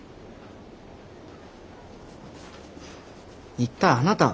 一体あなたは。